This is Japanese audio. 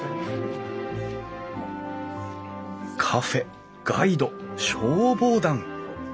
カフェガイド消防団。